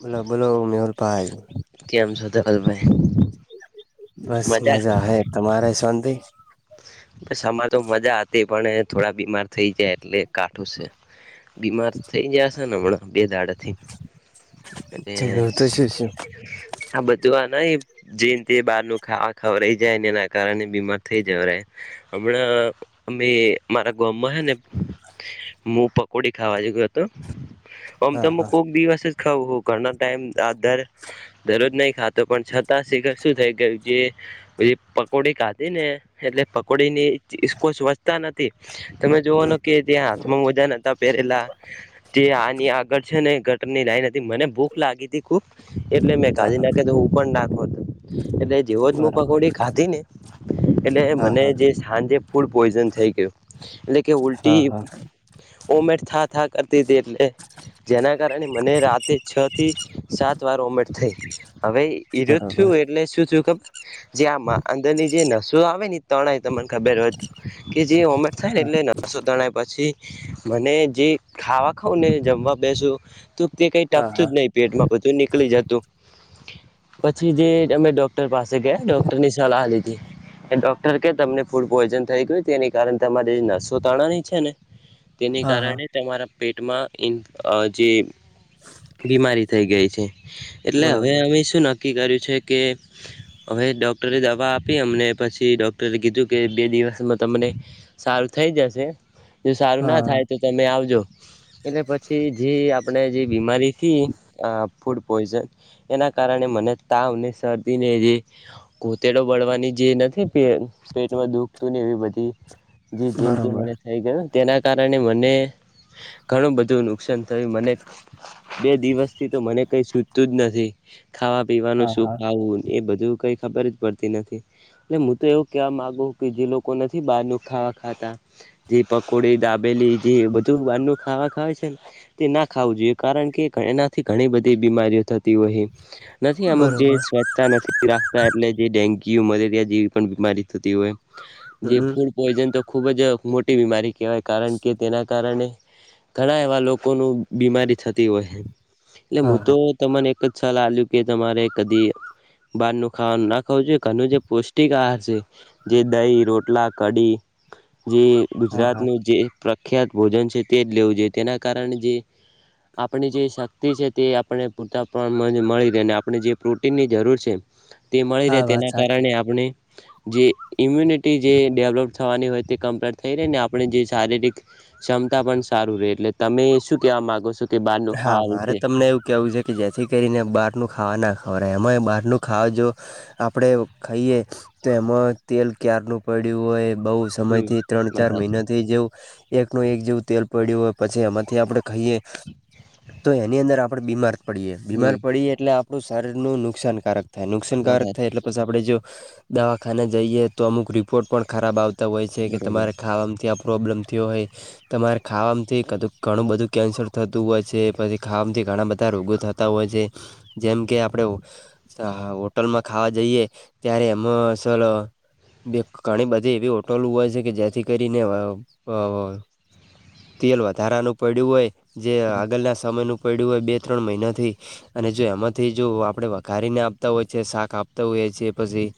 બોલો બોલો મેહુલ ભાઈ. કેમ છો તો ધવલ ભાઈ. બસ મજા હૈ તમારે શાંતિ. બ અમારે તો મજા હતી પણ થોડા બીમાર થઇ જાય એટલે કાઠું છે. બીમાર થઈ જયા છે ને હમણાં બે દાડાથી અને હું તો શું છું આ બધું આ ન જેને તે બાર ન ખાવા ખવરાઈ જાય ને એના કારણે બીમાર થઈ જાય. જ હમણાં અમે મારા ગામમાં છે ને. હું પકોડી ખાવા જ ગયો હતો આમ હા તમ હા કોક દિવસ. ખું ઘણા ટાઈમ આધર દરરોજ નહી ખાતો પણ છતાં શિખર શું થાય કે જે પ પકોડી ખાતી ને એટલે પકોડી નીકોષ વસતા નથી તમે જોવાનો હમ હમ કે ત્યાં મ મજા ન હતા પહેરેલા. તે આની આગળ છે ને ગટરની લાઈ હતી મને ભૂખ લાગી ત ખુબ. એટલે મેં કાધી નાખ્યો તો હું પણ નાખો હતો એટલે જેવો જ હું પકોડી કાધી ને. એટલે હા મને હા જે સાંજે ફૂડ પોઈઝન થઈ ગયું એટલે કે ઉલટી. ઓમેટ થા થા કરતી દેર લ. જેના કારણે મને રાતે છ થી સાત વાર ઉવોમિટ થઈ. હવે રો થું બરોબર એટલે શું થયું ખબર જે આમાં અંદની જે નશ હવે હી તણાય તમને ખબર હોય તો કે જે ઉમેટ થાય ને એટલે નાસો તણાય પછી મને જે ખાવા ખઉ ને જમવા બેસો તો તે કઈ હા ટકતું હા જ નહી. પેટમાં બધું નીકળી જતું. પછી જે અમે ડોક્ટર પાસે ગયા ડોક્ટરની સલાહ લીધી. એ ડોક્ટર કે તમને ફૂડ પોઈઝન થઈ ગયું તેની કારણે તમારી નસો તણાની છે ને. તેને હા હા બરોબર હા હા હા હા કારણે તમારા પેટમાં જે બીમારી થઈ ગઈ છે. એટલે હવે બરોબર અમે શું ના નક્કી કર્યું છે કે હવે ડૉક્ટરે દવા આપી અમને. પછી ડોક્ટરે કીધું કે બે દિવસમાં તમને સારું થઈ જશે. જો સારું હા ના હા થાય તો તમે આવજો. એટલે પછી જે આપણે જે બીમારીથી ફૂડ પોઈઝન. એના કારણે મને તાવ ને શરદીને જે ઘોતેડો બળવાની જે ન પેટમાં દુઃખતું ને એવી બધી જે જિંદગી બરોબર મને થઈ ગયોું તેના કારણે મને ઘણું બધું નુકસાન થયું મને બે દિવસ થી તો મને કઈ સુજતું જ નથી ખાવા. પીવાનું હા શું હા ખાવું એ બધું કઈ ખબર જ પડતી નથી. એટલે હું તો એવું કેહેવા માંગુ કે જે લોકો નથી બહાર ન ખાવા ખાતા. જેી પકોડી દાબેલી જે બધું બાર નું ખાવા ખવા છે ને. તે ના ખાવું જોઈએ કારણ કે એનાથી ઘણી બધી બીમારીઓ થતી હોય. નથી અમુક જે બરોબર સ્વચ્છતા નથી રાખતા એટલે જે ડેન્ગ્યુ મલેરિયા જેવી પણ બીમારી થતી હોય. જે હમ ફૂડ પોઈઝન તો ખૂબ જ મોટી બીમારી કહેવાય કારણ કે તેના કારણે. ઘણા એવા લોકો ને બીમારી થતી હોય એટલે હા હું તો. હા તો મને એક જ સલાહ આયું કે તમારે કદી બહાર નું ખાવાનું ના ખાવું જોઈએ ઘનું જે પો. ટિક આાર છે જે દહી રોટલા કડી જે. હા હા ગુજરાતનું જે પ્રખ્યાત ભોજન છે તે જ લેવું જોઈએ તેના કારણે જે. આપણી જે શક્તિ છે તે આપણે પૂરતા પ્રમાણમાં મળી રહે અને આપણે જે પ્રોટીનની જરૂર છે. તે મળી રહે હા વાત તેના સાચી કારણે આપણે. જે ઇમ્યુનિટી જે ડેવલોપ થવાની હોય તે કમ્પ્લેર થઈ રહી ને આપણે જે શારીરિક. ક્ષમતા પણ સારું રે એટલે તમે શું કેવા માંગો છો. કે બહારનું હા ખાવા મારે વિશે તમને એવું કેવું છે. કે જેથી કરીને બહારનું ખાવા ના ખવડ એમાં બહારનું ખાવા જો. આપણેે ખાઈએ તો એમાં તેલ ક્યારનું પડ્યું હોય બઉ સમય હમ થી ત્રણ વાત ચાર સાચી મહિનાથી જેવું. એક ન એક જેવું તેલ પડ્યું હોય પછી એમાંથી આપડણે ખાઈએ તો એની અંદર આપણે બીમાર. પડિયે હમ બીમાર પડીએ એટલે આપણું શરીર નું નુકસાનકારક થાય વાત નુકસાનકારક સાચી થાય બસ આપણે જો દવાખાને જઈએ તો અમુક રિપોર્ટ પણ ખરાબ આવતા. હોય છે કે બરોબર તમારે ખાવા મા ત્યાં પ્રોબ્લેમ થયો હોય તમારે ખાવાવામાંથી ક ઘણું બધું કેન્સર થ. હોય છે પછી ખામથી ઘણા બધા રોગો થતા હોય છે જેમ કે આપણે. અ હોટલમાં ખાવા જઈએ ત્યારે એમાં સલો. બે ઘણી બધી એવી હોટલ હોય છે કે જેથી કરીને. તેલ વધારાનું પડ્યું હોય જે હમ આગળના સમયનું પડ્યું હોય બે ત્રણ મહિનાથી. અને જો એમાંથી જો આપણેે વઘારીને આપતા હોય છે શાક આપતા હોઈએ છે પછી.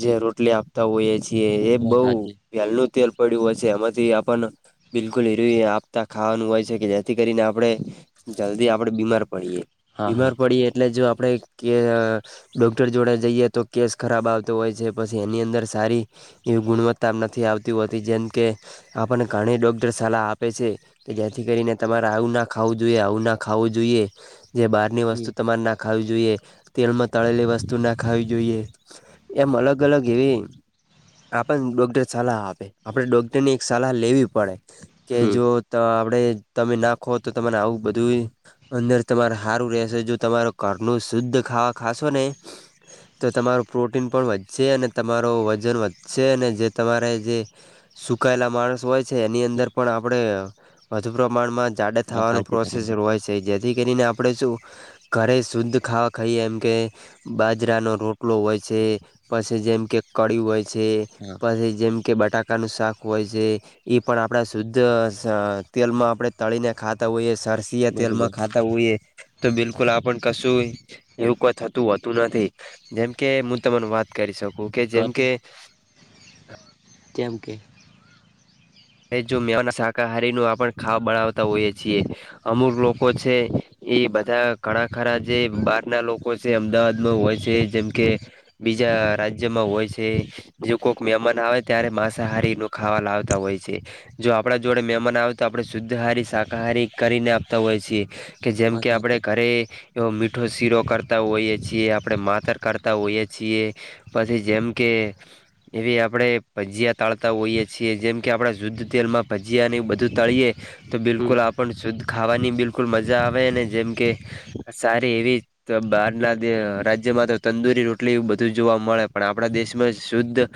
જે રોટલી આપતા હોઈએ છીએ એ વાત બહ. સાચી ક્યાર નૂ તેલ પડ્યું હોય છે એમાંથી આપણ બિલકુલ હર આપતા ખાવાનું હોય છે કે. જેથી કરીને આપડણે જલ્દી આપડે બીમાર પડીએ હા બીમાર હા પડીએ. એટલે જો આપણે ક. ડોક્ટર જોડે જઈએ તો કેસ ખરાબ આવતો હોય છે પછી એની અંદર સારી. એવી ગુણવત્તા નથી આવતી હોતી જેમ કે. આપણને ઘણી ડોક્ટર સલાહ આપે છે કે જેથી કરીને. તમારે આવું ના ખાવું જોઈએ આવું ના ખાવું જોઈએ જે બહારની વસ્તુ હમ તમારે ના. ખાવી જોઈએ તેલમાં તળેલી વસ્તુ ના ખાવી જોઈએ. એમ અલગ અલગ એવી. આપણ ડોક્ટર સલાહ આપે આપડે ડોક્ટર ની એક સલાહ લેવી પડે. કે હમ જો આપડે તમે નાખો તો તને આવું બધું. અંદર તમાર સારું રહેશે જો તમારો કરલું શુદ્ધ ખાવા ખાશો ને. તો તમારોું પ્રોટીન પણ વધશે અને તમારોું વજન વધશે અને જે તમારે જે. સુકાયેલા માણસ હોય છે એની અંદર પણ આપણે. વધુ પ્રમાણમાં જાડ વાત થવાનું સાચી પ્રોસેસ તમારી હોય છે જેથી કરીને આપણે શું. ઘરે શુદ્ધ ખાવા ખાઈએ એમ કે. બાજરાનો રોટલો હોય છે, પછી જેમ કે કળી હોય છે. હ. [unintelligible] પછી જેમ કે બટાકાનું શાક હોય છે, એ પણ આપણા શુદ્ધ તેલ માં આપણે તળી ને ખાતા હોઈએ સરસીયા બરોબર તેલમાં ખા થવું એ તો બિલકુલ આપણ કશું એવું કોઈ થતું હોતું નથી. જેમ કે હું તમાર વાત કરી શકું કે કહો જેમ કે તેમ કે. જો મે ના શાકાહારી નું આપ ખાવા બનાવતા હોઈએ છીએ, અમુક લોકો છે. એ બધા ઘણા ખરા જે બહાર ના લોકો છે અમદાવાદમાં હોય છે જેમ કે બીજા રાજ્યમાં હોય છે. જો કોઈક મહેમાન આવે ત્યારે માંસાહારી નું ખાવા લાવતા હોય છે. જો આપડા જોડે મહેમાન આવે તો આપણે શુદ્ધહારી શાકાહારી કરીને આપતા હોય છીએ. કે જેમ વાત કે આપણે સાચી ઘરે એવો મીઠો શીરો કરતા હોઈએ છીએ આપણે માતર કરતા હોઈએ છીએ. પછી જેમ કે એવી આપડે પજીયા તાળતા હોઈએ છીએ, જેમ કે આપણે શુદ્ધ તેલમાં ભજીયા અને એ બધું તળીએ, તો હમ બિલકુલ આપ પણ શુદ્ધ ખાવાની બિલકુલ મજા આવે અને જેમકે, આ સારી એવી તો બહારના રાજ્યમાં તો તંદુરી રોટલી બધું જોવા મળે પણ આપણા દેશમાં શુદ્ધ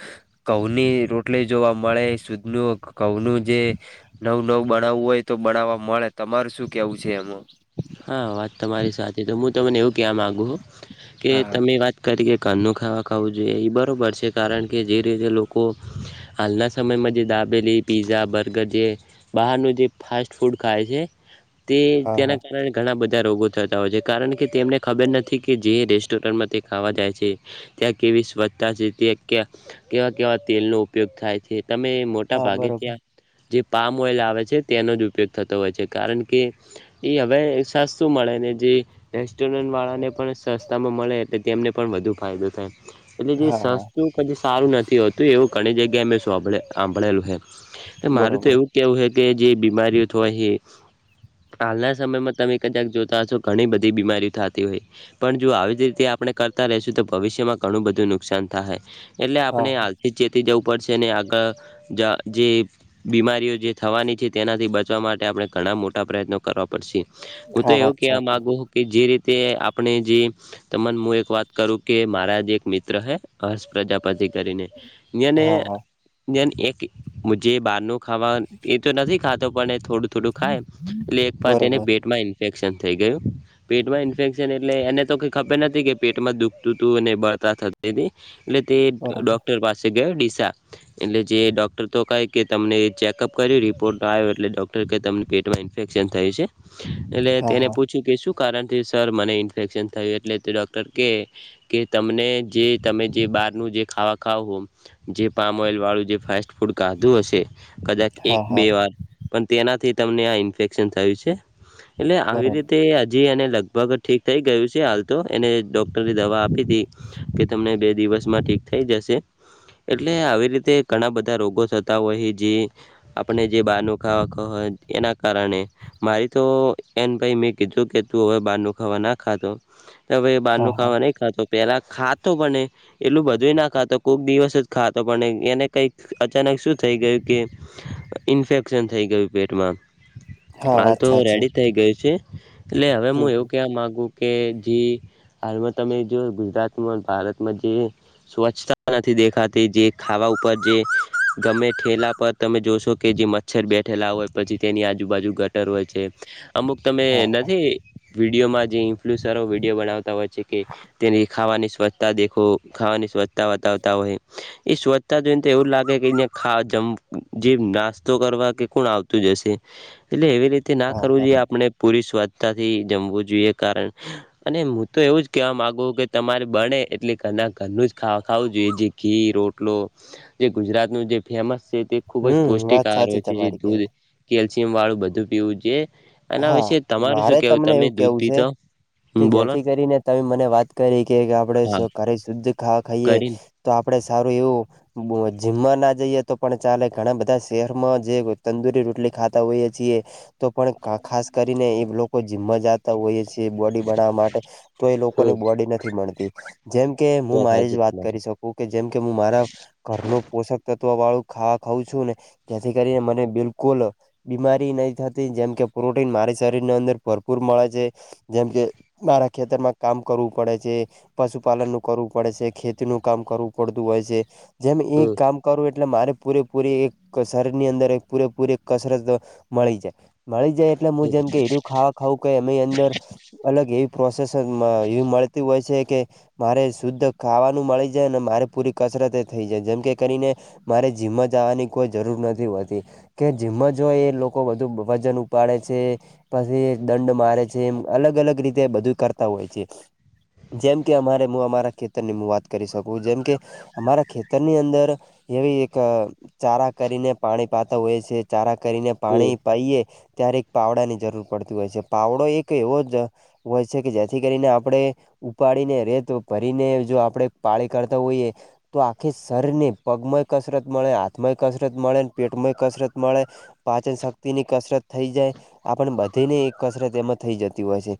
ઘઉની રોટલી જોવા મળે સુદ ન ઘઉનું જે નવ નવ બનાવવું હોય તો બનાવવા મળે તમાર શું કેવું છે એમાં. હા વાત તમારી સાથે તો હું તમને એવું ક્યા માગુ છ, કે હા તમે વાત તકે કાનનું ખાવા ખાવું જોઈએ એ બરાબર છે કારણ કે જે રીતે લોકો હાંલના સમયમાં દાબેલી પિઝા બર્ગર જે બહારનું જે ફાસ્ટ ફૂડ ખાય છે, તે હા હા ત્યાના ઘણા બધા રોગો થતા હોય છે કારણ કે તેમને ખબર નથી કે જે રેસ્ટોરન્ટમાં તે ખાવા જાય છે. ત્યાં કેવી સ્વચ્છતા કેવા કેવા તેલનો ઉપયોગ થાય છે તમે મોટા હા ભાગે બરોબર ત્યાં જે પામ ઓઈલ આવે છે, તેનો જ ઉપયોગ થતો હોય છે કારણ કે એ હવે સસ્તું મળે ને જે રેસ્ટોરન્ટ વાળાને પણ સસ્તામાં મળે એટલે તેમને પણ વધુ ફાયદો થાય. એટલે જે હા હા સ્સ્થ પછી સારું નથી હોતું એવું ઘણી જગ્યાએ મેં શભળે સાંભળેલું હ, મારે તો બરોબર એવું કેવું હે કે જે બીમારીઓ થવાય એ હાલના સમયમાં તમે કદાક જોતા હશો ઘણી બધી બીમારી થતી હોય. પણ જો આવી જ રીતે આપણે કરતા રહીશું તો ભવિષ્યમાં ઘણું બધું નુકસાન થાય. એટલે હા આપણે હાલથી જ ચેતી જવું પડશે આગળ જે બીમારીઓ જે થવાની છે તેનાથી બચવા માટે આપણે ઘણા મોટા પ્રયત્નો કરવા પડશે, હું તો હા એવું વાત કવા સાચી મામાંગુ કે જે રીતે આપણે જે તને હું એક વાત કરું કે મારા જ એક મિત્ર હ હર્ષ પ્રજાપતિ કરીને. એણે હા હા એક જે બહારનું ખાવાનું એ તો નથી ખાતો પણ એ થોડું થોડું ખાય, એટલે એક વાર તેને બરોબર પેટમાં ઇન્ફેક્શન થઈ ગયું. પેટમાં ઇન્ફેક્શન એટલે એને તો કઈ ખબર નથી કે પેટમાં દુખતું હતું અને બળતા થતુ એટલે તે બરોબર ડોક્ટર પાસે ગયો ડીસા. એટલે જે ડોક્ટર તો કહે કે તમને ચેકઅપ કર્યો રિપોર્ટ આવ્યો એટલે ડૉક્ટર ક તમને પેટમાં- ઇફેક્શન થયું છે, એટલે હા તેને હા પૂછ્યું કે શું કારણ થી સર મને ઇન્ફેક્શન થયું એટલે તે ડૉક્ટર કે કે તમને જે તમે જે બારનું જે ખાવા ખાવ હો જે પામ ઓઈલ વાળું જે ફાસ્ટ ફૂડ કાધું હશે. કદાચ એક હા બે હા વાર પણ તેનાથી તમને આ ઇન્ફેક્શન થયું છે. એટલે આવી બરોબર રીત આ જે એને લગભગ ઠીક થઈ ગયું છે હાલ તો એને ડોક્ટરે દવા આપી તી જે કે તમને બે દિવસમાં ઠીક થઈ જશે. એટલે આવી રીતે ઘણા બધા રોગો થતા હોય જે આપણે જે બહારનું ખાવા [unintelligible] એના કારણે. મારી તો એન ભાઈ મેં કીધું કે તું હવે બહારનું ખાવા ના ખાધો. તો હવે બહાર હા નું હા ખાવા નહી ખાતું પેલા ખાતો પણ એ એટલું બધું ના ખાતો કોક દિવસ જ ખાતો પણ એને કઈક અચાનક શું થઈ ગયું કે ઈન્ફેક્શન થઈ ગયું પેટમાં. હા હાલ વાત તો સાચી રેડી થઈ ગયું છે એટલે હવે હમ હું એવું હમ. કહેવા માગુ કે જે હાલમાં તમે જો ગુજરાત મા ભારતમાં જે સ્વચ્છતા નથી દેખાતી જે ખાવા ઉપર જે ગમે ઠેલા પર તમે જોશો કે જે મચ્છર બેઠેલા હોય પછી તેની આજુબાજુ ગ ગટર હોય છે અમુક તમે હા હા નથી વિડીયોમાં જે ઇન્ફ્લુસરો વિડીયો બનાવતા હોય છે કે તેની ખાવાની સ્વચ્છતા દેખો ખાવાની સ્વચ્છતા બતાવતા હોય. એ સ્વચ્છતા જોઈને તો એવું લાગે કે અહીંયા ખા જમ જે નાસ્તો કરવા કે કોણ આવતું જ હશે. એટલે એવી રીતે ના હા કરવું હા જોઈએ આપણે પૂરી સ્વચ્છતા થી જમવું જોઈએ કારણ અને હું તો એવું જ કેહેવા માગુ કે તમારે બને એટલે ઘરના ઘરનું જ ખાવું જોઈએ જે ઘી રોટ [unintelligible] જે ગુજરાતનું જે ફેમસ છે તે ખુબ જ હમ પૌષ્ટિક વાત આહાર સાચી હોય છે જે તમારી દૂધ કેવી કેલ્શિયમ વાળું બધું પીવું જોઈએ એના હા વિશે તમારે મારે શું કેવું તમને એવું તમે દૂધ કેવું છે પીધો. કે જેથી કરીને તમે મને વાત કરી કે આપણેે હા [unintelligible] શુદ્ધ ખાવા ખાઈએ કરીને તો આપણેે સારું એવું જીમમાં ના જઈએ તો પણ ચાલે ઘણા બધા શહેરમાં જે તંદુરી રોટલી ખાતા હોઈએ છીએ તો પણ ખાસ કરીને એ લોકો જીમમાં જાત તા હોઈએ છીએ બોડી બનાવા માટે તો એ લોકોને બોડી નથી મળતી. જેમ કે હું મારી જ વાત કરી શકું કે જેમકે હું મારા ઘરનું પોષક તત્વ વાળું ખાવા ખાઉં છું ને જેથી કરીને મને બિલકુલ બીમારી નહી થતી જેમ કે પ્રોટીન મારી શરીર ની અંદર ભરપૂર મળે છે. જેમ કે મારા ખેતરમાં કામ કરવું પડે છે. પશુપાલન નું કરવું પડે છે ખેતી નું કામ કરવું પડતું હોય છે જેમ એ હમ કામ કરું એટલે મારે પૂરેપૂરી એક [unintelligible] ની અંદર એક પૂરેપૂરી કસરત મળી જાય. મળી જાય એટલે હું હમ જેમ કે એરું ખાવા ખાવું કે એની અંદર અલગ એવી પ્રોસેસરમાં એવી મળતી હોય છે કે મારે શુદ્ધ ખાવાનું મળી જાય અને મારે પૂરી કસરત એ થઈ જાય જેમ કે કરીને મારે જીમમાં જવાની કોઈ જરૂર નથી હોતી કે જીમમાં જ હોય એ લોકો વધુ વજન ઉ ઉપાડે છે પછી દંડ મારે છે એમ અલગ અલગ રીતે બધું કરતા હોય છે. જેમકે અમારે હું અમારા ખેતરની હું વાત કરી શકું જેમ કે અમારા ખેતર ની અંદર એવી એક ચારા કરીને પાણી પાતા હોય છે ચારા કરીને હમ પાણી પાઈએ ત્યારે એક પાવડાની જરૂર પડતી હોય છે પાવડો એક એવો જ હોય છે કે જેથી કરીને આપણે ઉપાડીને રેત ભરીને જો આપણે પાળી કરતા હોઈએ. તો આખી શરીર ની પગમાંય કસરત મળે, હાથમાંય કસરત મળે, પેટમાંય કસરત મળે. પાચન શક્તિ ની કસરત થઈ જાય આ પણ બધી ને કસરત એમાં થઈ જતી હોય છે.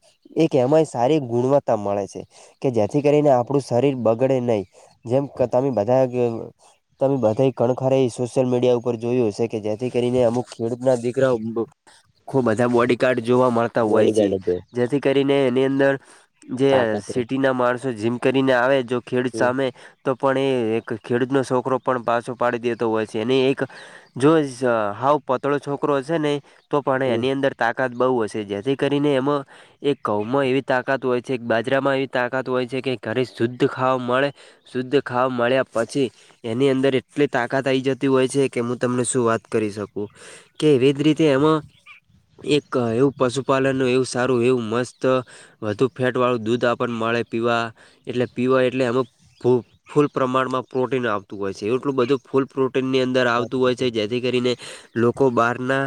એક એમાંય સારી ગુણવત્તા મળે છે કે જેથી કરીને આપણું શરીર બગડે નહીં. જેમ તમે બધા ગ, તમે બધા કણખરા સોશિયલ મીડિયા ઉપર જોયું હશે કે જેથી કરીને અમુક ખેડૂત ના દીકરાઓ, ખુબ બધા બોડીગાર્ડ જોવા મળતા હોય વળી છે ગયો જેથી કરીને એની અંદર, જે તાકાત સિટી ના માણસો જીમ કરીને આવે જો ખેડૂત હમ સામે, તો પણ એ એક ખેડૂત નો છોકરો પણ પાછો પાડી દેતો હોય છે એને એક, જો હાવ પતળો છોકરો હશે ને તો પણ હમ એની અંદર, તાકાત બહુ હશે જેથી કરીને એમાં, એક ઘઉંમાં એવી તાકાત હોય છે, એક બાજરામાં એવી તાકાત હોય છે, કે ઘરે શુદ્ધ ખાવા મળે. શુદ્ધ ખાવા મળ્યા પછી. એની અંદર એટલી તાકાત આઈ જતી હોય છે કે હું તમને શું વાત કરી શકું. કે એવિધ રીતે એમાં, એક એવું પશુપાલન નું એવું સારું એવું મસ્ત, વધુ ફેટ વાળું દૂધ આપણ મળે પીવા. એટલે પીવાય એટલે એમાં ફૂલ પ્રમાણમાં પ્રોટીન આવતું હોય છે એટલું બધું ફૂલ પ્રો ની અંદર વાત આવતું હોય છે સાચી જેથી કરીને લોકો બારના,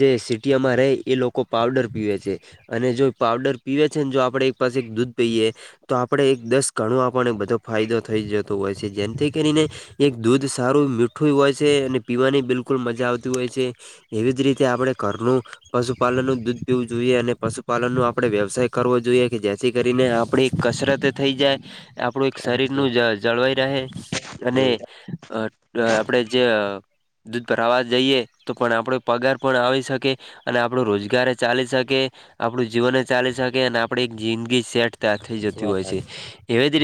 જે સીટીયોમાં રહે એ લોકો પાવડર પીવે છે. અને જો પાવડર પીવે છે ને જો આપડે એક પાસે દૂધ પીયએ, તો આપણે એક દસ ગણું આપણને બધો ફાયદો થઈ જતો હોય છે, જેમથી કરીને, એક દૂધ સારું મીઠું હોય છે અને પીવાની બિલકુલ મજા આવતી હોય છે એવી જ રી તે આપણે ઘરનું, પશુપાલન નું દૂધ પીવું જોઈએ અને પશુપાલન નુ આપડણે વ્યવસાય કરવો જોઈએ, કે જેથી કરીને આપણે, કસરતે થઈ જાય. આપણું એક વાત શરીર સાચી નું જ જળવાઈ રહે અને, હમ આપડે જે દૂધ પર આવા જઈએ તો પણ આપડે પગાર, પણ આવી શકે અને આપણું રોજગાર ચાલી શકે. આપણું જીવન ચાલી શકે અને આપડી જિંદગી સેટ થઈ જતી વાત હોય છે, સાચી એવી જ રીત